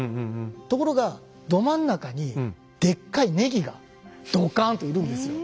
ところがど真ん中にでっかいネギがドカンといるんですよ。